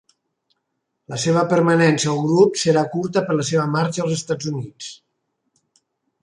La seva permanència al grup serà curta per la seva marxa als Estats Units.